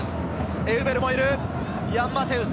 エウベルもいる。